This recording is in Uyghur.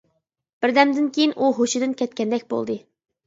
بىردەمدىن كېيىن ئۇ ھوشىدىن كەتكەندەك بولدى.